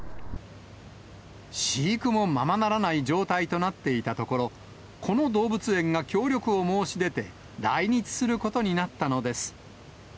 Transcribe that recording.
飼育もままならない状態となっていたところ、この動物園が協力を申し出て、来日することになったのです。